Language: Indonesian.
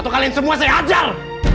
atau kalian semua saya ajar